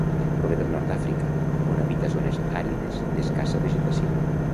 Prové del nord d'Àfrica, on habita zones àrides d'escassa vegetació.